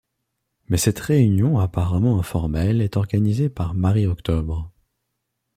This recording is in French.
Mais cette réunion apparemment informelle est organisée par Marie-Octobre.